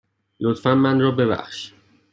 لطفاً من را ببخش.